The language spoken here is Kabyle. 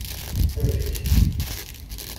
Efk.